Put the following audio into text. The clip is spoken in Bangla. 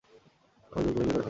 আমাকে জোর করে বিয়ে করে ফেলে।